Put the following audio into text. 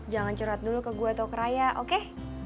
jangan curhat dulu ke gue atau ke raya oke